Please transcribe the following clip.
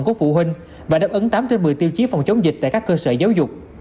của phụ huynh và đáp ứng tám trên một mươi tiêu chí phòng chống dịch tại các cơ sở giáo dục